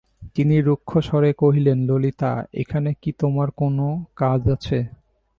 তিনি রুক্ষস্বরে কহিলেন, ললিতা, এখানে কি তোমার কোনো কাজ আছে?